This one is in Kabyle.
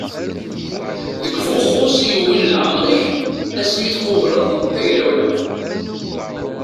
D Buxus i yewwin leɛmer-ik asmi tqubleḍ tagrawla.